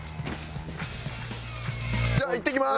じゃあいってきます。